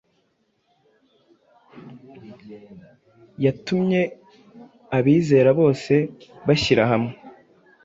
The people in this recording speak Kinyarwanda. yatumye abizera bose bashyira hamwe.